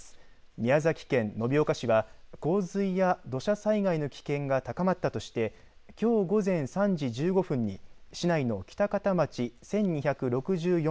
宮崎県延岡市は洪水や土砂災害の危険が高まったとしてきょう午前３時１５分に市内の北方町１２６４